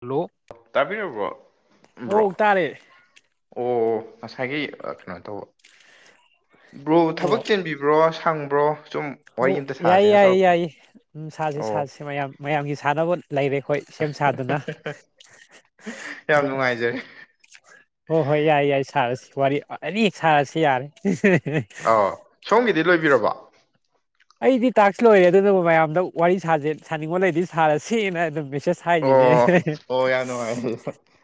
hello ꯑꯣ ꯇꯥꯕꯤꯔꯕ꯭ꯔꯣꯕ꯭ꯔꯣ ꯑꯣ ꯇꯥꯔꯦ ꯑꯣ ꯉꯁꯥꯏꯒꯤ ꯀꯩꯅꯣ ꯇꯧꯕ ꯕ꯭ꯔꯣ ꯊꯕꯛ ꯑꯣ ꯆꯦꯟꯕꯤꯕ꯭ꯔꯣ ꯁꯪꯕ꯭ꯔꯣ ꯁꯨꯝ ꯋꯥꯔꯤ ꯑꯣ ꯑꯃꯝꯇ ꯌꯥꯏꯌꯦ ꯁꯥꯁꯦꯅ ꯌꯥꯏꯌꯦ ꯇꯧꯔꯛꯄꯅꯦ ꯌꯥꯏꯌꯦ ꯎꯝ ꯁꯥꯁꯦ ꯑꯣ ꯁꯥꯁꯦ ꯃꯌꯥꯝ ꯃꯌꯥꯝꯒꯤ ꯁꯥꯟꯅꯕ ꯂꯩꯔꯦ ꯑꯩꯈꯣꯏ ꯁꯦꯝ ꯁꯥꯗꯨꯅ ꯌꯥꯝ ꯑꯗꯨ ꯅꯨꯡꯉꯥꯏꯖꯔꯦ ꯍꯣꯏ ꯍꯣꯏ ꯌꯥꯏ ꯌꯥꯏ ꯁꯥꯔ ꯋꯥꯔꯤ ꯑꯅꯤ ꯁꯥꯔꯁꯤꯦ ꯌꯥꯔꯦ ꯑ ꯁꯣꯝꯒꯤꯗꯤ ꯂꯣꯏꯕꯤꯔꯕ ꯑꯩꯗꯤ ꯇꯥꯛꯁ ꯂꯣꯏꯔꯦ ꯑꯗꯨꯅꯕꯨ ꯃꯌꯥꯝꯗ ꯋꯥꯔꯤ ꯁꯥꯖꯦ ꯁꯥꯅꯤꯡꯉꯣꯟ ꯂꯩꯗꯤ ꯁꯥꯔꯁꯦꯅ ꯑꯗꯨꯝ ꯁꯥꯏꯖꯅꯦ ꯑꯣ ꯑꯣ ꯌꯥꯝ ꯅꯨꯡꯉꯥꯏ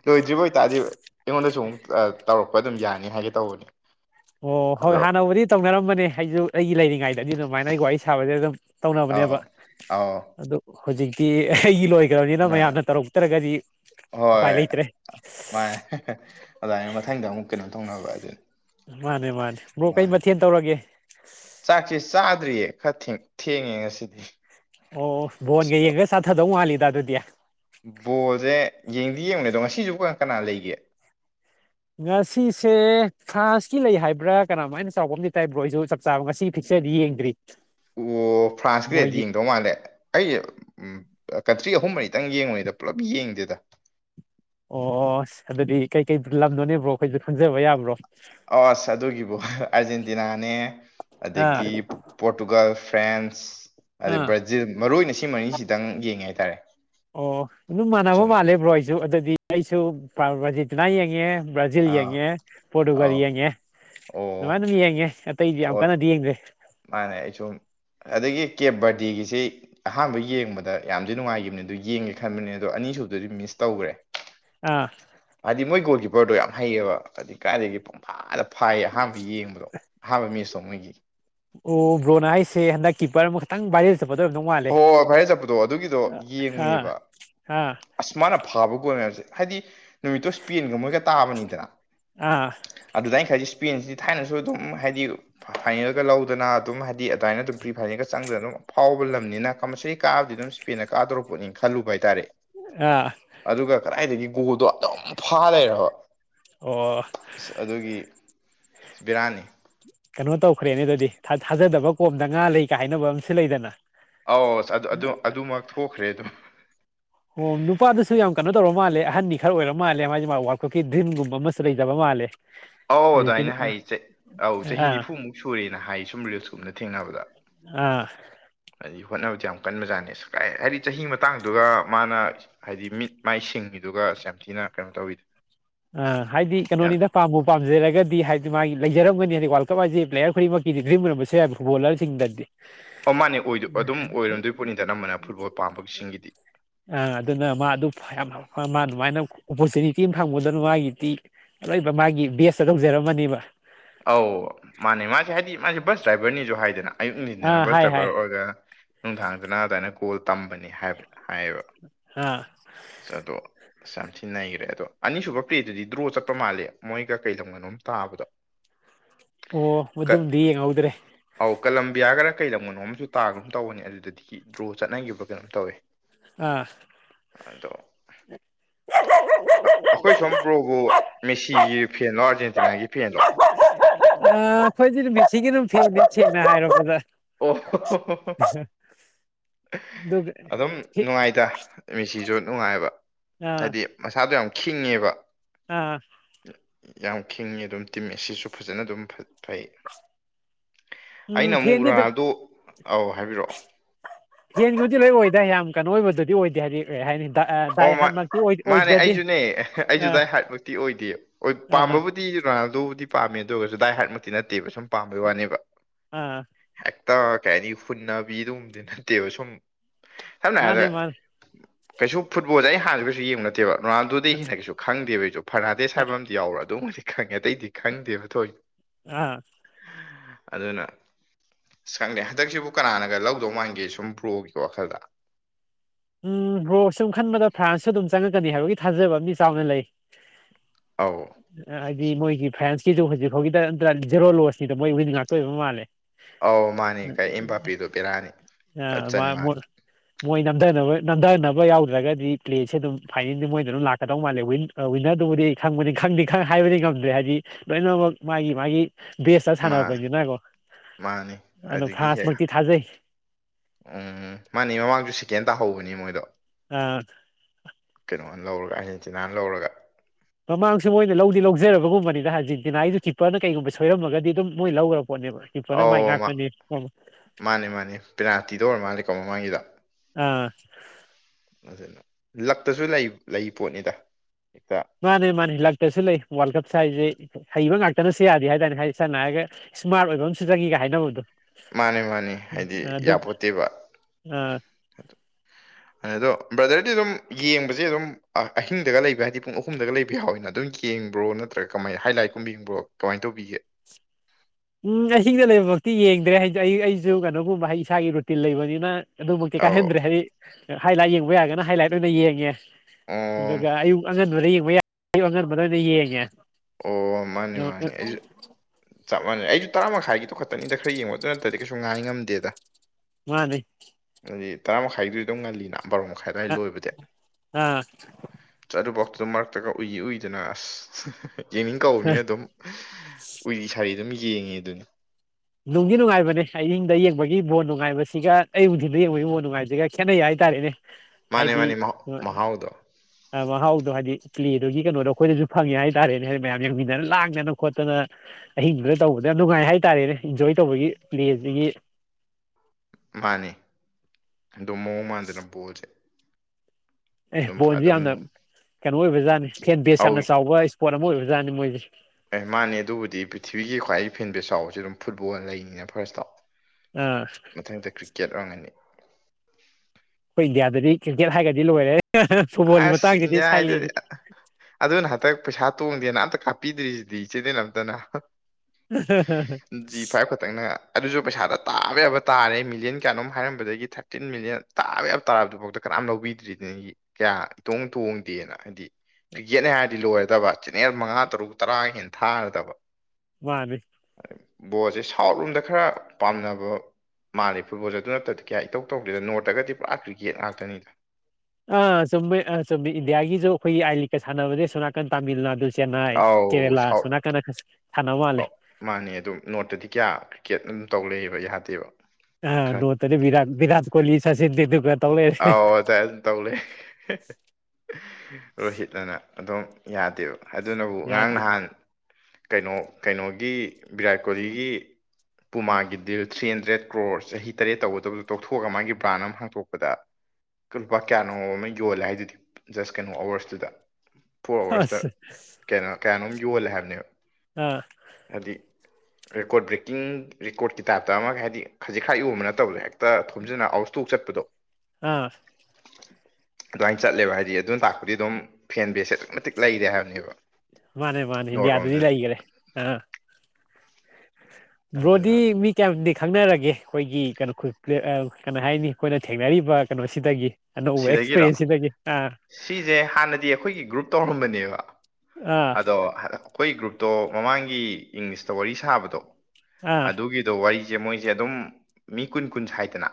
ꯂꯣꯏꯗ꯭ꯔꯤꯕ ꯑꯣꯏꯇꯥꯔꯗꯤ ꯑꯩꯉꯣꯟꯗꯁꯨ ꯑꯃꯨꯛ ꯇꯧꯔꯛꯄ ꯑꯩꯣꯏ ꯑꯗꯨꯝ ꯌꯥꯅꯤ ꯍꯥꯏꯒꯦ ꯇꯧꯕꯅꯦ ꯑꯣ ꯍꯣꯏ ꯑꯗꯣ ꯍꯥꯟꯅꯕꯨꯗꯤ ꯇꯧꯅꯔꯝꯕꯅꯦ ꯑꯩꯁꯨ ꯑꯩꯒꯤ ꯂꯩꯔꯤꯉ ꯉꯗꯗꯤ ꯑꯗꯨꯃꯥꯏꯅ ꯑꯩ ꯋꯥꯔꯤ ꯁꯥꯕꯁꯦ ꯑꯗꯨꯝ ꯇꯧꯅꯕꯅꯦꯕ ꯑꯧ ꯑꯧ ꯑꯗꯨ ꯍꯧꯖꯤꯛꯇꯤ ꯑꯩꯒꯤ ꯂꯣꯏꯈ꯭ꯔꯕꯅꯤꯅ ꯑ ꯃꯌꯥꯝꯅ ꯇꯧꯔꯛꯇ꯭ꯔꯒꯗꯤ ꯎꯄꯥꯏ ꯍꯣꯏ ꯂꯩꯇ꯭ꯔꯦ ꯃꯥꯅꯦ ꯑꯗꯨꯥꯏꯅ ꯃꯊꯪꯗ ꯑꯃꯨꯛ ꯀꯩꯅꯣ ꯇꯧꯅꯕ ꯑꯗꯨꯅꯤ ꯃꯥꯅꯦ ꯃꯥꯅꯦ ꯕ꯭ꯔꯣ ꯀꯩ ꯃꯥꯅꯦ ꯃꯊꯦꯜ ꯇꯧꯔꯒꯦ ꯐꯗ꯭ꯔꯤꯌꯦ ꯈꯔ ꯊꯦꯡꯉꯦ ꯉꯁꯤꯗꯤ ꯑꯣ ꯕꯣꯟꯒ ꯌꯦꯡꯉꯒ ꯆꯥꯊꯗꯧ ꯃꯥꯜꯂꯤꯗ ꯑꯗꯨꯗꯤ ꯕꯣꯜꯁꯦ ꯌꯦꯡꯗꯤ ꯌꯦꯡꯅꯦꯗꯣ ꯉꯁꯤꯁꯨ ꯀꯅꯥ ꯂꯩꯒꯦ ꯉꯁꯤꯁꯦ ꯐ꯭ꯔꯥꯟꯁꯀꯤ ꯂꯩ ꯍꯥꯏꯕ꯭ꯔꯥ ꯀꯔꯝꯃꯥꯏꯅ ꯆꯥꯎꯕ ꯑꯃꯗꯤ ꯇꯥꯏꯕ꯭ꯔꯣ ꯑꯩꯁꯨ ꯆꯞ ꯆꯥꯕ ꯉꯁꯤ ꯐꯤ ꯁꯦ ꯌꯦꯡꯔꯤ ꯑꯣ ꯐ꯭ꯔꯥꯟꯁꯀꯤꯗꯗꯤ ꯌꯦꯡꯗꯧ ꯃꯥꯜꯂꯦ ꯑꯩ ꯎ ꯀꯟꯇ꯭ꯔꯤ ꯑꯍꯨꯝ ꯃꯔꯤꯇꯪ ꯌꯦꯡꯉꯨꯣꯏꯗ ꯄꯨꯜꯂꯞ ꯌꯦꯡꯗꯦꯗ ꯑꯣꯁ ꯑꯗꯨꯗꯤ ꯀꯩꯀꯩ ꯂꯝꯗꯣꯅꯦꯕ꯭ꯔꯣ ꯑꯩꯈꯣꯏꯁꯨ ꯈꯪꯖꯕ ꯌꯥꯕ꯭ꯔꯣ ꯑ ꯑꯁ ꯑꯗꯨꯒꯤꯕꯨ ꯑꯥꯔꯖꯦꯟꯇꯤꯅꯥꯅꯦ ꯑꯥ ꯑꯗꯒꯤ ꯄꯣꯔꯇꯨꯒꯜ ꯐ꯭ꯔꯦꯟꯁ ꯑꯗꯩ ꯑꯥ ꯕ꯭ꯔꯥꯖꯤꯜ ꯃꯔꯨꯑꯣ ꯑꯣꯏꯅ ꯁꯤ ꯃꯔꯤꯁꯤꯗꯪ ꯌꯦꯡꯉꯦ ꯍꯥꯏꯇꯥꯔꯦ ꯑꯣ ꯑꯗꯨꯝ ꯃꯥꯟꯅꯕ ꯁꯨꯝ ꯃꯥꯜꯂꯦ ꯕ꯭ꯔꯣ ꯑꯩꯁꯨ ꯑꯗꯨꯗꯤ ꯑꯩꯁꯨ ꯔꯖꯤꯠꯇꯅ ꯌꯦꯡꯉꯦ ꯭ꯔꯖꯜ ꯑꯥ ꯌꯦꯡꯉ ꯄꯣꯔꯔꯇꯨꯒꯦꯜ ꯑꯧ ꯌꯦꯉ ꯑꯣ ꯑꯗꯨꯃꯥꯏꯅ ꯑꯗꯨꯝ ꯌꯦꯡꯉꯦ ꯑꯇꯩꯗꯤ ꯌꯥꯝ ꯑꯣ ꯀꯟꯅꯗꯤ ꯌꯦꯡꯗ꯭ꯔꯦ ꯃꯥꯅꯦ ꯑꯩ ꯁꯨꯝ ꯑꯗꯒꯤ ꯀꯦꯕꯗꯤꯒꯤ ꯁꯤ ꯑꯍꯥꯟꯕ ꯌꯦꯡꯕꯗ ꯌꯥꯝꯗꯤ ꯅꯨꯡꯉꯥꯏꯈꯤꯕꯅꯦ ꯑꯗꯨ ꯌꯦꯡꯒꯦ ꯈꯟꯕꯅꯤ ꯑꯗꯣ ꯑꯅꯤꯁꯨꯕꯗꯗꯤ ꯃꯤꯁ ꯇꯧꯈ꯭ꯔꯦ ꯑꯥ ꯍꯥꯏꯗꯤ ꯃꯣꯏ ꯒꯣꯜ ꯀꯤꯞꯄꯔꯗꯣ ꯌꯥꯝ ꯍꯩꯌꯦꯕ ꯍꯥꯏꯗꯤ ꯀꯥꯏꯗꯒꯤ ꯐꯥꯅ ꯐꯥꯏꯌꯦ ꯑꯍꯥꯟꯕ ꯌꯦꯡꯕꯗꯣ ꯑꯍꯥꯟꯕ ꯃꯤꯁꯇꯣ ꯃꯣꯏꯒꯤ ꯑꯣ ꯕ꯭ꯔꯣꯅꯥ ꯍꯥꯏꯁꯦ ꯍꯟꯗꯛ ꯀꯤꯄꯔ ꯑꯃꯈꯛꯇꯪ ꯥꯏꯔꯦꯦ ꯑꯣ ꯍ ꯚꯥꯏꯔꯦ ꯆꯠꯄꯗꯣ ꯑꯗꯨꯒꯤꯗꯣ ꯑꯥ ꯌꯦꯡꯉꯨꯏꯌꯦꯕ ꯑꯥ ꯑꯁ ꯃꯥꯅ ꯐꯥꯕ ꯀꯣꯅꯦꯕꯁꯦ ꯍꯥꯏꯗꯤ ꯅꯨꯃꯤꯠꯇꯣ ꯏꯁꯄꯦꯟꯒ ꯃꯣꯏꯒ ꯇꯥꯕꯅꯤꯗꯅ ꯑꯥ ꯑꯗꯨꯗ ꯑꯩꯅ ꯈꯁꯦ ꯑꯦꯛꯁꯄꯤꯌꯦꯟꯁꯇꯤ ꯊꯥꯏꯅꯁꯨ ꯑꯗꯨꯝ ꯍꯥꯏꯗꯤ ꯐꯥꯏꯅꯦꯜꯒ ꯂꯧꯗꯅ ꯑꯗꯨꯝ ꯍꯥꯏꯗꯤ ꯑꯗꯨꯃꯥꯏꯅ ꯑꯗꯨꯝ ꯄ꯭ꯔꯤ ꯐꯥꯏꯅꯦꯜꯒ ꯆꯪꯗꯅ ꯑꯗꯨꯝ ꯐꯥꯎꯕ ꯂꯝꯅꯤꯅ ꯀꯝꯄꯜꯁꯔꯤ ꯀꯥꯕꯗꯤ ꯑꯗꯨꯝ ꯏꯁꯄꯦꯗ ꯀꯥꯗꯧꯕ ꯄꯣꯠꯅꯤꯅ ꯈꯜꯂꯨꯕ ꯍꯥꯏꯇꯥꯔꯦ ꯑꯥ ꯑꯗꯨꯒ ꯀꯗꯥꯏꯗꯒꯤ ꯒꯣꯗꯣ ꯑꯗꯨꯝ ꯐꯥ ꯂꯩꯔꯕ ꯑꯣ ꯑꯁ ꯑꯗꯨꯒꯤ ꯕꯦꯔꯥꯅꯤ ꯀꯩꯅꯣ ꯇꯧꯈ꯭ꯔꯦꯅꯦ ꯑꯗꯨꯗꯤ ꯊꯥ ꯊꯥꯖꯗꯕ ꯀꯣꯝꯗ ꯉꯥ ꯂꯩꯒ ꯍꯥꯏꯅꯕ ꯑꯃꯁꯝꯨ ꯂꯩꯗꯅ ꯑꯥꯎꯁ ꯑꯗꯨꯃꯛ ꯊꯣꯛꯈ꯭ꯔꯦ ꯑꯗꯨꯣ ꯑꯣ ꯅꯨꯄꯥꯗꯨꯁꯨ ꯌꯥꯝ ꯀꯩꯅꯣ ꯇꯧꯔ ꯃꯥꯜꯂꯦ ꯑꯍꯟꯅꯤ ꯈꯔ ꯑꯣꯏꯔ ꯃꯥꯜꯂꯦ ꯃꯥꯗꯤ ꯃꯥ ꯋꯥꯔꯀꯞꯀꯤ ꯗ꯭ꯔꯤꯝꯒꯨꯝꯕ ꯑꯃꯁꯨ ꯂꯩꯖꯕ ꯃꯥꯜꯂꯦ ꯑꯧ ꯍꯧꯖꯤꯛꯀꯤ ꯑꯗꯨꯃꯥꯏꯅ ꯍꯥꯏ ꯑꯧ ꯆꯍꯤ ꯑꯥ ꯅꯤꯐꯨꯃꯨꯛ ꯁꯨꯔꯦꯅ ꯍꯥꯏ ꯁꯨꯝ ꯔꯤꯜꯁꯀꯨꯝꯅ ꯊꯦꯡꯅꯕꯗ ꯑꯥ ꯍꯥꯏꯗꯤ ꯍꯣꯠꯅꯕꯗ ꯌꯥꯝ ꯀꯟꯕꯖꯥꯠꯅꯦ ꯀꯥꯏ ꯍꯥꯏꯗꯤ ꯆꯍꯤ ꯃꯇꯥꯡꯗꯨꯒ ꯃꯥꯅ ꯍꯥꯏꯗꯤ ꯃꯤꯠ ꯃꯥꯏ ꯁꯤꯡꯉꯅꯤ ꯑꯗꯨꯒ ꯁꯦꯝ ꯌꯥꯝꯊꯤꯅ ꯀꯩꯅꯣ ꯇꯧꯕꯤꯗ ꯑ ꯍꯥꯏꯗꯤ ꯀꯩꯅꯣꯅꯤꯗ ꯄꯥꯝꯕꯨ ꯄꯥꯝꯖꯩꯔꯒ ꯒꯗꯤ ꯍꯥꯏꯗꯤ ꯃꯥꯒꯤ ꯂꯩꯖꯔꯝꯒꯅꯤ ꯍꯥꯏꯗꯤ ꯋꯥꯔꯜ ꯀꯞ ꯍꯥꯏꯁꯦ ꯄ꯭ꯂꯦꯔ ꯈꯨꯗꯤꯡꯃꯛꯀꯤꯗꯤ ꯗ꯭ꯔꯤꯝ ꯑꯣꯏꯔꯝꯕꯁꯨ ꯌꯥꯏ ꯐꯨꯠꯕꯣꯂꯔꯁꯤꯡꯗꯗꯤ ꯑ ꯃꯥꯅꯦ ꯑꯣꯏꯗ ꯑꯗꯨꯝ ꯑꯣꯏꯔꯝꯗꯣꯏ ꯄꯣꯠꯅꯤꯗ ꯑꯅꯝꯕꯅ ꯐꯨꯠꯕꯣꯜ ꯄꯥꯝꯕꯁꯤꯡꯒꯤꯗꯤ ꯑ ꯑꯗꯨꯅ ꯃꯥ ꯑꯗꯨ ꯌꯥꯝꯅ ꯃꯥ ꯑꯗꯨꯃꯥꯏꯅ ꯑꯣꯄꯣꯔꯆꯨꯅꯤꯇꯤ ꯑꯃ ꯐꯪꯕꯗꯅ ꯃꯥꯒꯤꯗꯤ ꯑꯔꯣꯏꯕ ꯃꯥꯒꯤ ꯕꯦꯁꯇ ꯇꯧꯖꯔꯝꯃꯅꯤꯕ ꯑꯧ ꯃꯥꯅꯦ ꯃꯥꯁꯦ ꯍꯥꯏꯗꯤ ꯃꯥꯁꯦ ꯕꯁ ꯗ꯭ꯔꯥꯏꯚꯔꯅꯤꯁꯨ ꯍꯥꯏꯗꯅ ꯑꯌꯨꯛꯅꯤꯟꯗꯅ ꯑꯥ ꯕꯁ ꯍꯥꯏ ꯍꯥꯏ ꯗ꯭ꯔꯥꯏꯚꯔ ꯑꯣꯏꯔꯒ ꯅꯨꯡꯗꯥꯡꯗꯅ ꯑꯗꯨꯃꯥꯏꯅ ꯀꯣꯜ ꯇꯝꯕꯅꯤ ꯍꯥꯏꯕꯅꯦ ꯍꯥꯏꯕ ꯑꯥ ꯆꯠꯇꯣ ꯑꯁ ꯌꯥꯝ ꯊꯤꯅꯩꯈ꯭ꯔꯦ ꯑꯗꯣ ꯑꯅꯤꯁꯨꯕ ꯄ꯭ꯂꯦꯗꯨꯗꯤ ꯗ꯭ꯔꯣ ꯆꯠꯄ ꯃꯥꯜꯂꯦ ꯃꯣꯏꯒ ꯀꯩ ꯂꯝꯒꯅꯣꯝ ꯇꯥꯕꯗꯣ ꯑꯣ ꯀ- ꯑꯗꯨꯝꯗꯤ ꯌꯦꯡꯍꯧꯗ꯭ꯔꯦ ꯑꯧ ꯀꯂꯝꯕꯤꯌꯥꯒꯔ ꯀꯩ ꯂꯝꯒꯅꯣ ꯑꯃꯁꯨ ꯇꯥꯒꯨꯝ ꯇꯧꯕꯅꯤ ꯑꯗꯨꯗꯤ ꯗ꯭ꯔꯣ ꯆꯠꯅꯈꯤꯕ ꯀꯩꯅꯣꯝ ꯇꯧꯋꯦ ꯑꯥ ꯑꯗꯣ ꯑꯩꯈꯣꯏ ꯁꯣꯝ ꯕ꯭ꯔꯣꯕꯨ ꯃꯦꯁꯤꯒꯤ ꯐꯦꯟꯗꯣ ꯑꯥꯔꯖꯦꯟꯇꯤꯅꯥꯒꯤ ꯐꯦꯟꯗꯣ ꯑ ꯑꯩꯈꯣꯏꯗꯤ ꯅꯨꯃꯤꯠꯁꯤꯒꯤ ꯅꯨꯝꯊꯤ ꯃꯤꯠꯁꯦꯡꯅ ꯍꯥꯏꯔꯨꯄꯗ ꯑꯣ ꯑꯗꯨꯒ ꯑꯗꯨꯝ ꯅꯨꯡꯉꯥꯏꯇ ꯃꯤꯦꯁꯤꯁꯨ ꯅꯨꯡꯉꯥꯏꯕ ꯑꯥ ꯍꯥꯏꯗꯤ ꯃꯁꯥꯗꯣ ꯌꯥꯝ ꯈꯤꯡꯉꯦꯕ ꯑꯥ ꯌꯥꯝ ꯈꯤꯡꯉꯤ ꯑꯗꯨꯝ ꯇꯤꯝ ꯑꯁꯤꯁꯨ ꯐꯖꯅ ꯑꯗꯨꯝ ꯐꯩ ꯎꯝ ꯑꯩꯅ ꯑꯃꯨꯛ ꯐꯦꯟꯗꯤ ꯎꯔꯥ ꯑꯗꯨꯝ ꯑꯗꯨ ꯑꯧ ꯍꯥꯏꯕꯤꯔꯛꯑꯣ ꯐꯦꯟꯕꯨꯗꯤ ꯂꯣꯏ ꯑꯣꯏꯗꯏ ꯌꯥꯝ ꯀꯩꯅꯣ ꯑꯣꯏꯕꯗꯨꯗꯤ ꯑꯣꯏꯗꯦ ꯑꯣ ꯃꯥ ꯍꯥꯏꯗꯤꯤ ꯃꯥꯅꯦ ꯑꯩꯁꯨꯅꯦ ꯑꯩꯖꯗꯗꯥꯏ ꯍꯥꯏꯠꯕꯛꯇꯤ ꯑꯣꯏꯗꯦ ꯑꯥ ꯄꯥꯝꯕꯕꯨꯗꯤ ꯔꯣꯅꯥꯜ ꯑꯗꯨꯕꯨꯗꯤ ꯄꯥꯝꯃꯦ ꯑꯗꯨꯒ ꯑꯣꯏꯒꯁꯨ ꯗꯥꯏ ꯍꯥꯏꯔꯠꯃꯛꯇꯤ ꯅꯠꯇꯦꯕ ꯁꯨꯝ ꯄꯥꯝꯕꯩ ꯋꯥꯅꯦꯕ ꯑꯥ ꯍꯦꯛꯇ ꯀꯩ ꯍꯥꯏꯅꯤ ꯐꯨꯟꯅꯕꯤꯗꯨꯨꯝꯕꯗꯤ ꯅꯠꯇꯦꯕ ꯁꯨꯝ ꯁꯝꯅ ꯃꯥꯅꯦ ꯍꯥꯏꯔꯕꯗ ꯃꯥꯅꯦ ꯀꯩꯁꯨ ꯐꯨꯠꯕꯣꯜꯁꯦ ꯑꯩ ꯍꯥꯟꯅꯁꯨ ꯀꯩꯁꯨ ꯌꯦꯡꯕ ꯅꯠꯇꯦꯕ ꯅꯥꯟꯜꯗꯨꯗꯩ ꯍꯦꯟꯅ ꯀꯩꯁꯨ ꯈꯪꯗꯦꯕ ꯑꯩꯁꯨ ꯐꯔꯅꯥꯗꯦꯁ ꯍꯥꯏꯕꯝꯗꯤ ꯌꯥꯎꯔꯣ ꯑꯗꯨꯕꯗꯤ ꯈꯪꯉꯦ ꯑꯇꯩꯗꯤ ꯈꯪꯗꯦꯕ ꯊꯣꯏꯅ ꯑꯥ ꯑꯗꯨꯅ ꯁꯪꯅꯦꯦ ꯍꯟꯗꯛꯁꯤꯕꯨ ꯀꯅꯥꯅꯒ ꯂꯧꯗꯧ ꯃꯥꯟꯒꯦ ꯁꯨꯝ ꯄ꯭ꯔꯣꯒꯤ ꯋꯥꯈꯜꯗ ꯎꯝ ꯔꯣꯛꯁ ꯁꯨꯝ ꯈꯟꯕꯗ ꯐ꯭ꯔꯥꯟꯁꯁꯨ ꯑꯗꯨꯝ ꯆꯪꯉꯛꯀꯅꯤ ꯍꯥꯏꯕꯒꯤ ꯊꯥꯖꯕ ꯃꯤ ꯆꯥꯎꯅ ꯂꯩ ꯑꯧ ꯍꯥꯏꯗꯤ ꯃꯣꯏꯒꯤ ꯐ꯭ꯔꯦꯟꯁ ꯁꯤꯁꯨ ꯍꯧꯖꯤꯛ ꯐꯥꯎꯒꯤꯗ ꯅꯠꯇꯅ ꯖꯦꯔꯣ ꯂꯣꯁꯤꯗ ꯃꯣꯏ ꯍꯧꯖꯤꯟ ꯉꯥꯛꯇꯣꯏ ꯑꯣꯏꯕ ꯃꯥꯜꯂꯦ ꯑꯧ ꯃꯥꯅꯤ ꯀꯥꯏ ꯏ ꯄꯄꯤꯗꯨꯣ ꯕꯤꯔꯥꯅꯤꯆꯟ ꯃꯥꯅꯤ ꯃꯣꯏ ꯅꯝꯊꯅꯕ ꯅꯝꯊꯅꯕ ꯌꯥꯎꯗ꯭ꯔꯒꯗꯤ ꯄ꯭ꯂꯦꯁꯦ ꯑꯗꯨꯝ ꯐꯥꯏꯅꯦꯜꯗꯤ ꯃꯣꯏꯗ ꯑꯗꯨꯝ ꯂꯥꯛꯀꯗꯧ ꯃꯥꯜꯂꯦ ꯋꯤꯟꯅꯔꯗꯨꯕꯨꯗꯤ ꯈꯪꯕꯅꯤ ꯈꯪꯗꯦ ꯈ ꯍꯥꯏꯕꯗꯤ ꯉꯝꯗ꯭ꯔꯦ ꯍꯥꯏꯗꯤ ꯂꯣꯏꯅꯃꯛ ꯃꯥꯒꯤ ꯃꯥꯒꯤ ꯕꯦꯁꯇ ꯃꯥ ꯁꯥꯟꯔꯄꯁꯤꯅꯀꯣ ꯃꯥꯅꯤ ꯑꯗꯣ ꯑꯗꯒꯤ ꯐ꯭ꯔꯥꯟꯁ ꯍꯦꯛ ꯃꯛꯇꯤ ꯊꯥꯖꯩ ꯎꯝ ꯃꯥꯅꯦ ꯃꯃꯥꯡꯁꯨ ꯁꯦꯀꯦꯟ ꯇꯥꯍꯧꯕꯅꯤ ꯃꯣꯏꯗꯣ ꯑ [unintelligible] [inaudible] ꯀ ꯂꯧꯔꯒ ꯑꯦꯟꯆꯤꯅꯥꯅ ꯂꯧꯔꯒ ꯃꯃꯥꯡꯁꯨ ꯃꯣꯏꯅ ꯂꯧꯗꯤ ꯂꯧꯖꯔꯕꯒꯨꯝꯕꯅꯤꯅ ꯍꯖꯦꯟꯇꯤꯅꯥꯒꯤꯗꯨ ꯀꯤꯄꯔꯅ ꯀꯩꯒꯨꯝꯕ ꯁꯣꯏꯔꯝꯃꯒꯗꯤ ꯑꯗꯨꯝ ꯃꯣꯏ ꯂꯧꯔꯕ ꯄꯣꯠꯅꯦꯕ ꯄꯣꯠꯅ ꯃꯥꯏ ꯑꯧ ꯃꯥ ꯉꯥꯛꯄꯅꯤ ꯃꯥꯅꯦ ꯃꯥꯅꯦ ꯄꯦꯅꯥꯜꯇꯤꯗ ꯑꯣꯏꯔ ꯃꯥꯜꯂꯦꯀꯣ ꯃꯃꯥꯡꯒꯤꯗꯣ ꯑꯥ ꯐꯖꯅ ꯂꯛꯇꯁꯨ ꯂꯩ ꯄꯣꯠꯅꯤꯗ ꯍꯦꯛꯇ ꯃꯥꯅꯦ ꯃꯥꯅꯦ ꯂꯥꯛꯇꯁꯨ ꯂꯩ ꯋꯥꯔꯜ ꯀꯞꯁ ꯍꯥꯏꯁꯦ ꯍꯩꯕ ꯉꯥꯛꯇ ꯇꯅꯁꯨ ꯌꯥꯗꯦ ꯍꯥꯏꯇꯥꯔꯅꯤ ꯍꯥꯏꯗꯤ ꯏꯁꯝꯅ ꯍꯥꯏꯔꯒ ꯏꯁꯃꯥꯔꯠ ꯑꯣꯏꯕ ꯑꯃꯁꯨ ꯆꯪꯤꯒ ꯍꯥꯏꯅꯕꯗꯣ ꯃꯥꯅꯤ ꯃꯥꯅꯤ ꯍꯥꯏꯗꯤ ꯑꯗꯨꯝ ꯌꯥꯄꯣꯠꯇꯦꯕ ꯑ ꯑꯗ ꯭ꯔꯗꯔꯗꯤ ꯑꯗꯨꯝ ꯌꯦꯡꯕꯁꯦ ꯑꯗꯨꯝ ꯑꯍꯤꯡꯗꯒ ꯂꯩꯕ ꯍꯥꯏꯗꯤ ꯄꯨꯡ ꯑꯍꯨꯝꯗꯒ ꯂꯩꯕ ꯌꯥꯎꯋꯦꯅ ꯑꯗꯨꯝ ꯌꯦꯡꯕ꯭ꯔꯣ ꯅꯠꯇ꯭ꯔꯒ ꯀꯃꯥꯏꯅ ꯍꯥꯏ ꯂ ꯀꯨꯝꯕꯤꯕ꯭ꯔꯣ ꯀꯃꯥꯏꯅ ꯇꯧꯕꯤꯒꯦ [unintelligible] ꯎꯝ ꯉꯁꯤꯗ ꯂꯩꯕꯃꯛꯇꯤ ꯌꯦꯡꯗ꯭ꯔꯦ ꯍꯥꯏꯗꯤ ꯑꯩ ꯑꯩꯁꯨ ꯀꯩꯅꯣꯒꯨꯝꯕ ꯑꯩ ꯏꯁꯥꯒꯤ ꯔꯨꯇꯤꯟ ꯂꯩꯕꯅꯤꯅ ꯑꯗꯨꯃꯛꯇꯤ ꯑꯧ ꯀꯥꯏꯍꯟꯗ꯭ꯔꯦ ꯍꯥꯏꯗꯤ ꯍꯥꯏ ꯂꯥꯏꯠ ꯌꯦꯡꯕ ꯌꯥꯔꯒꯅ ꯍꯥꯏ ꯂꯥꯏꯠ ꯑꯣꯏꯅ ꯌꯦꯡꯉꯦ ꯑꯣ ꯑꯗꯨꯒ ꯑꯌꯨꯛ ꯑꯉꯟꯕꯗ ꯌꯦꯡꯕ ꯌꯥꯏ ꯑꯌꯨꯛ ꯑꯉꯟꯕꯗ ꯑꯣꯏꯅ ꯌꯦꯡꯉꯦ ꯑꯣ ꯃꯥꯅꯤ ꯃꯥꯅꯤ ꯑꯗꯨ ꯑꯩꯖꯨ ꯆꯞ ꯃꯥꯅꯦ ꯑꯩꯁꯨ ꯇꯔꯥ ꯃꯈꯥꯏꯒꯤꯗꯣ ꯈꯛꯇꯅꯤꯗ ꯈꯔ ꯌꯦꯡꯕ ꯅꯠꯇ꯭ꯔꯗꯤ ꯀꯩꯁꯨ ꯉꯥꯏ ꯉꯝꯗꯦꯗ ꯃꯥꯅꯤ ꯑꯗꯨꯗꯤ ꯇꯔꯥ ꯃꯈꯥꯏꯗꯨ ꯑꯗꯨꯝ ꯉꯜꯂꯤꯅ ꯕꯥꯔꯣ ꯃꯈꯥꯏ ꯑꯗꯨꯋꯥꯏ ꯑ ꯂꯣꯏꯕꯗꯤ ꯑꯥ ꯑꯗꯨꯐꯧ ꯑꯗꯨ ꯃꯔꯛꯇꯒ ꯎꯏ ꯎꯏꯗꯅ ꯑꯁ ꯌꯦꯡꯅꯤꯡ ꯀꯅꯤꯅ ꯑꯗꯨꯝ ꯎꯏꯔꯤ ꯁꯥꯔꯤ ꯑꯗꯨꯝ ꯌꯦꯡꯉꯦ ꯑꯗꯨꯅꯤ ꯅꯨꯡꯒꯤ ꯅꯨꯡꯉꯥꯏꯕꯅꯦ ꯑꯍꯤꯡꯗ ꯌꯦꯡꯕꯒꯤ ꯕꯣꯟ ꯅꯨꯡꯉꯥꯏꯕꯁꯤꯒ ꯑꯩ ꯅꯨꯡꯊꯤꯟꯗ ꯌꯦꯡꯕꯒꯤ ꯕꯣꯟ ꯅꯨꯡꯉꯥꯏꯕꯁꯤꯒ ꯈꯦꯠꯅꯩ ꯍꯥꯏꯇꯥꯔꯦꯅꯦ ꯃꯥꯅꯦ ꯍꯥꯏꯗꯤ ꯃꯥꯅꯦ ꯃꯍꯥꯎ ꯍꯥꯎꯗꯣ ꯃꯍꯥꯎꯗꯣ ꯍꯥꯏꯗꯤ ꯄ꯭ꯂꯦꯗꯨꯒꯤ ꯀꯩꯅꯣꯗꯣ ꯑꯩꯈꯣꯏꯗꯁꯨ ꯐꯪꯉꯦ ꯍꯥꯏꯇꯥꯔꯦꯅꯦ ꯍꯥꯏꯗꯤ ꯃꯌꯥꯝ ꯌꯦꯡꯃꯤꯟꯅꯔ ꯂꯥꯡꯗꯅ ꯈꯣꯠꯇꯅ ꯑꯍꯤꯡꯗꯨꯗ ꯇꯧꯕꯗꯣ ꯌꯥꯝ ꯅꯨꯡꯉꯥꯏ ꯍꯥꯏꯇꯥꯔꯦꯅꯦ ꯏꯟꯖꯣꯏ ꯇꯧꯕꯒꯤ ꯄ꯭ꯂꯦꯁꯤꯒꯤ ꯃꯥꯅꯤ ꯑꯗꯣ ꯃꯋꯣꯡ ꯃꯥꯟꯗꯅ ꯕꯣꯜꯁꯦ ꯑꯦ ꯑꯗꯨꯝ ꯐ ꯕꯣꯟꯁꯦ ꯑꯗꯨꯝ ꯌꯥꯝꯅ ꯀꯩꯅꯣ ꯑꯣꯏꯕꯖꯥꯠꯅꯤ ꯒꯤ- ꯐꯦꯟ ꯕꯦꯁ ꯑꯧ ꯌꯥꯝꯅ ꯆꯥꯎꯕ ꯁꯄꯣꯔꯁ ꯑꯃ ꯑꯣꯏꯕꯖꯥꯠꯅꯤ ꯃꯣꯏꯁꯦ ꯑꯦ ꯃꯥꯅꯦ ꯑꯗꯨꯕꯨꯗꯤ ꯄ꯭ꯔꯤꯊꯤꯕꯤꯒꯤ ꯈ꯭ꯋꯥꯏꯒꯤ ꯐꯦꯟꯕꯦꯁ ꯆꯥꯎꯕꯁꯦ ꯑꯗꯨꯝ ꯐꯨꯠꯕꯣꯜ ꯂꯩꯅꯤꯅꯦ ꯐꯥꯔꯁꯇꯣ ꯑ ꯑꯩꯈꯣꯏ ꯃꯊꯪꯗ ꯀ꯭ꯔꯤꯀꯦꯠ ꯑꯣꯏꯔꯝꯒꯅꯤ ꯑꯩꯈꯣꯏ ꯏꯟꯗꯤꯌꯥꯗꯗꯤ ꯀ꯭ꯔꯤꯛꯀꯦꯠ ꯍꯥꯏꯈꯔꯒꯗꯤ ꯂꯣꯏꯔꯦ ꯐꯨꯠꯕꯣꯜꯒꯤ ꯑꯁ ꯃꯇꯥꯡꯁꯤꯗꯤ ꯏꯟꯗꯤꯌꯥ ꯁꯥꯏꯂꯦꯟ ꯍꯥꯏꯗꯗꯤ ꯑꯗꯨꯅ ꯍꯟꯇꯛ ꯄꯩꯁꯥ ꯇꯣꯡꯗꯦꯅ ꯑꯝꯇ ꯀꯥꯞꯄꯤꯗ꯭ꯔꯤꯁꯤꯗꯤ ꯆꯦꯅꯦꯜ ꯑꯝꯇꯅ ꯖꯤ ꯐꯥꯏꯕ ꯈꯛꯇꯪꯅ ꯑꯗꯨꯁꯨ ꯄꯩꯁꯥꯗ ꯇꯥꯕ ꯌꯥꯕ ꯇꯥꯔꯦ ꯃꯤꯂꯤꯌꯟ ꯀꯌꯥꯅꯣꯝ ꯍꯥꯏꯔꯝꯕꯗꯒꯤ ꯊꯥꯔꯇꯤꯟ ꯃꯤꯂꯤꯌꯟ ꯇꯥꯕ ꯌꯥ ꯇꯥꯕꯗꯨꯐꯥꯎꯗ ꯀꯅꯥꯝ ꯂꯧꯕꯤꯗ꯭ꯔꯤꯅꯦ ꯀꯌꯥ ꯏꯇꯣꯡ ꯇꯣꯡꯗꯦꯅ ꯍꯥꯏꯗꯤ ꯀ꯭ꯔꯤꯛꯀꯦꯠꯅꯦ ꯍꯥꯏꯔꯗꯤ ꯂꯣꯏꯔꯗꯕ ꯆꯦꯅꯦꯜ ꯃꯉꯥ ꯇꯔꯨꯛ ꯇꯔꯥꯒ ꯍꯦ ꯊꯥꯔꯗꯕ ꯃꯥꯟꯅꯤ ꯕꯣꯜꯁꯦ ꯁꯥꯎꯠ ꯔꯣꯝꯗ ꯈꯔ ꯄꯥꯝꯅꯕ ꯃꯥꯜꯂꯤ ꯐꯨꯠꯕꯣꯜꯁꯦ ꯑꯗꯨ ꯅꯠꯇꯔꯒꯗꯤ ꯀꯌꯥ ꯏꯇꯧ ꯇꯧꯗꯦꯗ ꯅꯣꯔꯠꯇꯒꯗꯤ ꯄꯨꯔꯥ ꯀ꯭ꯔꯤꯛꯀꯦꯠ ꯉꯥꯛꯇꯅꯤꯗ ꯑꯥ ꯆꯨꯝ ꯑ ꯆꯨꯝꯃꯤ ꯏꯟꯗꯤꯌꯥꯒꯤꯁꯨ ꯑꯩꯈꯣꯏꯒꯤ ꯑꯥꯏ ꯂꯤꯛꯀ ꯁꯥꯟꯅꯕꯁꯦ ꯁꯣꯝ ꯅꯥꯀꯟ ꯇꯥꯃꯤꯜ ꯅꯥꯗꯨ ꯆꯦꯟꯅꯥꯏ ꯀꯦꯔꯦꯂꯥ ꯑꯁꯣꯝ ꯅꯥꯀꯟꯅ ꯈꯔ ꯁꯟꯅ ꯑ ꯃꯥꯅꯦ ꯑꯗꯨꯝ ꯅꯣꯔꯠꯇꯗꯤ ꯀꯌꯥ ꯀ꯭ꯔꯤꯛꯀꯦꯠ ꯑꯗꯨꯝ ꯇꯧ ꯂꯩꯕ ꯌꯥꯍꯗꯦꯕ ꯑ ꯅꯣꯔꯠꯇꯗꯤ ꯚꯤꯔꯥꯠ ꯚꯤꯔꯣꯠ ꯀꯣꯍꯂꯤ ꯁꯆꯤꯟ ꯇꯦꯟꯗꯨꯜꯀꯔ ꯇꯧ ꯂꯩꯔꯦ ꯑꯥꯎ ꯇꯥꯏ ꯑꯗꯨꯝ ꯇꯧꯂ ꯔꯣꯍꯤꯠ ꯑꯅ ꯑꯗꯨꯝ ꯌꯥꯗꯦꯕ ꯑꯗꯨꯅꯕꯨ ꯉꯔꯥꯡ ꯌꯥꯗꯦ ꯅꯍꯥꯟ ꯀꯩꯅꯣ ꯀꯩꯅꯣꯒꯤ ꯚꯤꯔꯥꯠ ꯀꯣꯂꯤꯒꯤ ꯄꯨꯃꯥꯒꯤ ꯗꯤꯜ ꯊ꯭ꯔꯤ ꯍꯟꯗ꯭ꯔꯦꯠ ꯀ꯭ꯔꯣꯔ ꯆꯍꯤ ꯇꯔꯦꯠ ꯇꯧꯒꯗꯕꯗꯣ ꯇꯣꯛꯊꯣꯛꯑꯒ ꯃꯥꯒꯤ ꯕ꯭ꯔꯥꯟ ꯑꯃ ꯍꯥꯡꯇꯣꯛꯄꯗ ꯂꯨꯄꯥ ꯀꯌꯥꯅꯣ ꯑꯃ ꯌꯣꯜꯂꯦ ꯍꯥꯏꯗꯨꯗꯤ ꯖꯁ ꯀꯩꯅꯣ ꯑꯋꯥꯔꯁꯇꯨꯗ ꯐꯣꯔ ꯑꯋꯥꯔꯁꯇ ꯑꯁ ꯀꯩꯅꯣ ꯀꯌꯥꯅꯣꯝ ꯌꯣꯜꯂꯦ ꯍꯥꯏꯕꯅꯦꯕ ꯑꯥ ꯍꯥꯏꯗꯤ ꯔꯦꯀꯣꯔꯠ ꯕ꯭ꯔꯦꯛꯀꯤꯡ ꯔꯦꯀꯣꯔꯠꯀꯤ ꯇꯥꯏꯞꯇ ꯑꯃꯒ ꯍꯥꯏꯗꯤ ꯈꯖꯤꯛ ꯈꯔ ꯌꯣꯟꯕ ꯅꯠꯇꯕꯗꯣ ꯍꯦꯛꯇ ꯊꯣꯝꯖꯤꯟꯅ ꯑꯥꯎꯠ ꯑꯣꯐ ꯁꯇꯣꯛ ꯆꯠꯄꯗꯣ ꯑꯥ ꯑꯗꯨꯃꯥꯏꯅ ꯆꯠꯂꯦꯕ ꯍꯥꯏꯗꯤ ꯑꯗꯨꯅ ꯇꯥꯛꯄꯨꯗꯤ ꯑꯗꯨꯝ ꯐꯦꯟ ꯕꯦꯁꯁꯦ ꯑꯗꯨꯛꯀꯤ ꯃꯇꯤꯛ ꯂꯩꯔꯦ ꯍꯥꯏꯕꯅꯦꯕ ꯃꯥꯅꯦ ꯃꯥꯅꯦ ꯅꯣꯔꯠ ꯏꯟꯗꯤꯌꯥꯗꯗꯤ ꯔꯣꯝꯗꯗꯤ ꯂꯩꯒ꯭ꯔꯦ ꯑꯥ ꯕ꯭ꯔꯣꯗꯤ ꯑꯗꯨꯅ ꯃꯤ ꯀꯦꯌꯥꯝ ꯈꯪꯅꯔꯒꯦ ꯑꯩꯈꯣꯏꯒꯤ ꯀꯩꯅꯣ ꯀꯩꯅꯣ ꯍꯥꯏꯅꯤ ꯑꯩꯈꯣꯏꯅ ꯊꯦꯡꯅꯔꯤꯕ ꯀꯩꯅꯣꯁꯤꯗꯒꯤ ꯑꯅꯧꯕ ꯁꯤꯗꯒꯤꯔꯣ ꯑꯦꯛꯁꯄꯔꯌꯦꯟꯁꯁꯤꯗꯒꯤ ꯑꯥ ꯁꯤꯁꯦ ꯍꯥꯟꯅꯗꯤ ꯑꯩꯈꯣꯏꯒꯤ ꯒ꯭ꯔꯨꯞ ꯇꯧꯔꯝꯕꯅꯦꯕ ꯑꯥ ꯑꯗꯣ ꯑꯩꯈꯣꯏ ꯒ꯭ꯔꯨꯞꯇꯣ ꯃꯃꯥꯡꯒꯤ ꯏꯪꯂꯤꯁꯇ ꯋꯥꯔꯤ ꯁꯥꯕꯗꯣ ꯑꯥ ꯑꯗꯨꯒꯤꯗꯣ ꯋꯥꯔꯤ ꯖꯦ ꯃꯣꯏꯖꯦ ꯃꯤ ꯀꯨꯟ ꯀꯨꯟ ꯁꯥꯏꯗꯅ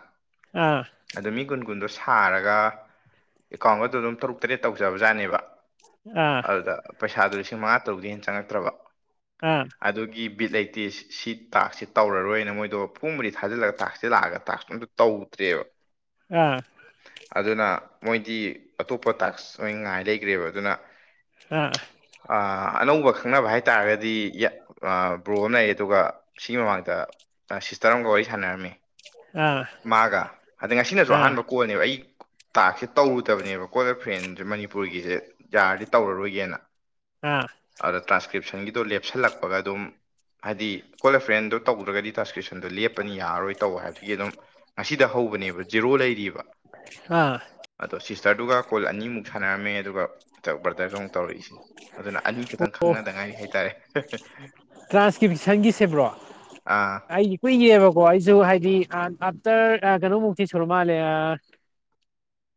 ꯑꯗꯣ ꯃꯤ ꯀꯨꯟ ꯀꯨꯟ ꯗꯣ ꯁꯥꯔꯒ ꯑꯦꯀꯥꯎꯟꯒꯗ ꯑꯗꯨꯝ ꯇꯔꯨꯛ ꯇꯔꯦꯠ ꯇꯧꯖꯕꯖꯥꯠꯅꯦꯕ ꯑꯥ ꯑꯗꯨꯗ ꯄꯩꯁꯗꯨ ꯂꯤꯁꯤꯡ ꯃꯉꯥ ꯇꯔꯨꯛꯇꯩ ꯍꯦꯟꯅ ꯆꯪꯉꯛꯇ꯭ꯔꯕ ꯑꯥ ꯑꯥ ꯑꯗꯨꯒꯤ ꯕꯤꯠ ꯂꯩꯇꯦ ꯁꯤ ꯇꯥꯛꯁꯦ ꯇꯧꯔꯔꯣꯏꯅ ꯃꯣꯏꯗꯣ ꯐꯨꯝ ꯕꯨꯗꯤ ꯊꯥꯖꯤꯜꯂꯒ ꯇꯥꯛꯁꯦ ꯂꯥꯛꯑꯒ ꯇꯥꯛꯁꯇꯣ ꯑꯝ ꯇꯧꯗ꯭ꯔ ꯕ [unintelligible] ꯑꯥ ꯃꯣꯏꯗꯤ ꯑꯇꯣꯞꯄ ꯇꯥꯛꯁ ꯑꫭꯏ ꯉꯥꯏ ꯂꯩꯈ꯭ꯔꯦꯕ ꯑꯗꯨꯅ ꯑꯥ ꯑꯅꯧꯕ ꯈꯪꯅꯕ ꯍꯥꯏꯇꯥꯥꯔꯒꯗꯤ ꯕ꯭ꯔꯣ ꯑꯃ ꯂꯩ ꯑꯗꯨꯒ ꯁꯤꯒꯤ ꯃꯃꯥꯡꯗ ꯁꯤꯁꯇꯔ ꯑꯃꯒ ꯋꯥꯔꯤ ꯁꯥꯟꯅꯔꯝꯃꯤ ꯑꯥ ꯃꯥꯒ ꯑꯗ ꯉꯁꯤꯅꯁꯨ ꯑꯥ ꯑꯍꯥꯟꯕ ꯀꯣꯟꯅꯦꯕ ꯑꯩ ꯇꯥꯛꯁꯦ ꯇꯧꯔꯨꯗꯕꯅꯦꯕꯀꯣ ꯀꯣꯂꯦ ꯐ꯭ꯔꯦꯟꯁꯦ ꯃꯅꯤꯄꯨꯔꯒꯤꯁꯦ ꯌꯥꯔꯗꯤ ꯇꯧꯔꯔꯣꯏꯒꯦꯅ ꯑꯥ ꯑꯗ ꯇ꯭ꯔꯥꯟꯁꯀ꯭ꯔꯤꯞꯁꯟꯒꯤꯗꯣ ꯂꯦꯞ ꯁꯤꯜꯂꯛꯄꯒ ꯑꯗꯨꯝ ꯍꯥꯏꯗꯤ ꯀꯣꯜꯦꯐ꯭ꯔꯦꯟꯗꯣ ꯇꯧꯗ꯭ꯔꯒꯗꯤ ꯇ꯭ꯔꯥꯟꯁꯀ꯭ꯔꯤꯞꯁꯟꯗꯣ ꯂꯦꯞ ꯆꯠꯄꯅꯤ ꯌꯥꯔꯣꯏ ꯇꯧꯕ ꯍꯥꯏꯕꯗꯨꯒꯤ ꯑꯗꯨꯝ ꯉꯁꯤꯗ ꯍꯧꯕꯅꯦꯕ ꯖꯦꯔꯣ ꯂꯩꯔꯤꯕ ꯑꯥ ꯑꯗꫭ ꯁꯤ ꯁꯔꯗꯨꯒ ꯀꯣꯜ ꯑꯅꯤꯃꯨꯛ ꯁꯥꯟꯅꯔꯝꯃꯦ ꯑꯗꯨꯒ ꯕ꯭ꯔꯗꯔꯒ ꯑꯃꯨꯛ ꯇꯧꯔꯛꯏꯁꯤꯅ ꯑꯗꯨꯅ ꯑꯅꯤꯈꯤꯛꯇꯪ ꯈꯪꯅꯗꯉꯥꯏ ꯍꯥꯏꯇꯥꯔꯦ ꯇ꯭ꯔꯥꯟꯁꯀ꯭ꯔꯤꯞꯁꯟꯒꯤꯁꯦꯕ꯭ꯔꯣ ꯑꯥ ꯑꯩꯗꯤ ꯀꯨꯏꯌꯦꯕꯀꯣ ꯑꯩꯁꯨ ꯍꯥꯏꯗꯤ ꯑꯥꯐꯇꯔ ꯀꯩꯅꯣꯃꯨꯛꯇꯤ ꯁꯨꯔ ꯃꯥꯜꯂꯦ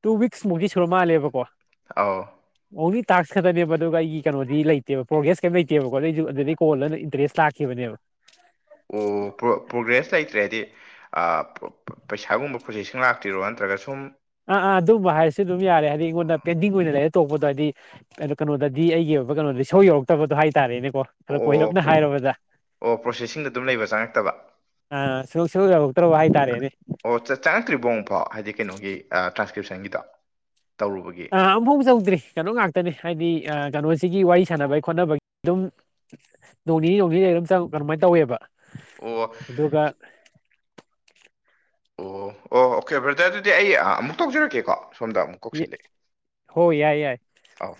ꯇꯨ ꯋꯤꯛꯁ ꯃꯨꯛꯇꯤ ꯁꯨꯔ ꯃꯥꯜꯂꯦꯕꯀꯣ ꯑꯑꯣ ꯑꯣꯡꯂꯤ ꯇꯥꯛꯁ ꯈꯛꯇꯅꯦꯕ ꯑꯗꯨꯒ ꯑꯩꯒꯤ ꯀꯩꯅꯣꯗꯤ ꯂꯩꯇꯦꯕ ꯄ꯭ꯔꯣꯒ꯭ꯔꯦꯁ ꯀꯩꯝ ꯂꯩꯇꯦꯕꯀꯣꯗ ꯑꯩꯁꯨ ꯑꯗꯨꯗꯩ ꯀꯣꯜꯂ ꯂꯩ ꯏ꯭ꯔꯦꯁ ꯂ ꯍꯥꯥꯛꯈꯤꯕꯕꯅꯦꯕ ꯑꯣ ꯄ꯭ꯔꯣꯒ꯭ꯔꯦꯁ ꯂꯩꯇ꯭ꯔꯦꯗꯤ ꯑꯥ ꯄꯩꯁꯥꯒꯨꯝꯕ ꯄ꯭ꯔꯣꯁ‌ꯦꯁꯤꯡ ꯂꯥꯛꯇꯔꯣ ꯅꯠꯇ꯭ꯔꯒ ꯁꯨꯝ ꯑꯥ ꯑꯥ ꯑꯗꯨꯝꯕ ꯍꯥꯏꯁꯨ ꯑꯗꯨꯝ ꯌꯥꯔꯦ ꯍꯥꯏꯗꯤ ꯑꯩꯉꯣꯟꯗ ꯄꯦꯟꯗꯤꯡ ꯑꯣꯏꯅ ꯂꯩꯔ ꯇꯣꯛꯄꯗꯣ ꯍꯥꯏꯗꯤ ꯀꯩꯅꯣꯗꯗꯤ ꯑꯩꯒꯤ ꯀꯩꯅꯣꯗꯤ ꯁꯧ ꯌꯧꯔꯛꯇꯕꯗꯣ ꯍꯥꯏꯇꯥꯔꯦꯅꯦ ꯀꯣ ꯈꯔ ꯑꯣ ꯀꯣꯏꯔꯞꯅ ꯄ꯭ꯔꯣ- ꯍꯥꯏꯨꯔꯕꯗ ꯑꯣ ꯄ꯭ꯔꯣꯁꯦꯁꯤꯡꯗ ꯑꯗꯨꯝ ꯂꯩꯕ ꯆꯪꯉꯛꯇꯕ ꯑꯥ ꯁꯨꯡ ꯁꯨꯡꯌꯧ ꯇ꯭ꯔꯣꯕ ꯍꯥꯏꯇꯥꯔꯦꯅꯦ ꯑꯣ ꯆꯪꯉꯛꯇ꯭ꯔꯤꯕꯐꯣ ꯑꯃꯨꯛꯐꯥꯎ ꯍꯥꯏꯗꯤ ꯀꯩꯅꯣꯒꯤ ꯇ꯭ꯔꯥꯟꯁꯀ꯭ꯔꯤꯞꯁꯟꯒꯤꯗꫭ ꯑ ꯑꯃꯐꯥꯎ ꯆꯧꯗ꯭ꯔꯤ ꯀꯩꯅꯣ ꯉꯥꯛꯇꯅꯦ ꯍꯥꯏꯗꯤ ꯀꯩꯅꯣꯁꯤꯒꯤ ꯋꯥꯔꯤ ꯁꯥꯟꯅꯕꯒꯤ ꯈꯣꯠꯅꯕꯒꯤ ꯑꯗꯨꯝ ꯅꯣꯡꯅꯤꯅꯤ ꯅꯣꯡꯅꯤꯅꯤ ꯑꯗꯨꯝ‌ ꯀꯃꯥꯏꯅ ꯇꯧꯋꯦꯕ ꯑꯣ ꯑꯗꯨꯒ ꯑꯣ ꯑꯣ ꯑꯣꯀꯦ ꯕ꯭ꯔꯗ ꯑꯗꯨꯗꯤ ꯑꯩ ꯑꯃꯨꯛ ꯇꯧꯖꯔꯛꯀꯦꯀꯣ ꯁꯣꯝꯗ ꯑꯃꯨꯛ ꯀꯧꯁꯜꯂꯛꯑꯦ ꯍꯣꯏ ꯌꯥꯏ ꯌꯥꯏ ꯑꯧ